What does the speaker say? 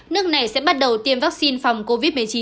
nước này sẽ bắt đầu tiêm vaccine phòng covid một mươi chín